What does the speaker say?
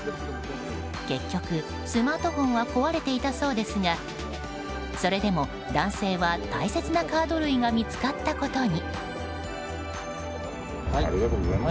結局、スマートフォンは壊れていたそうですがそれでも男性は大切なカード類が見つかったことに。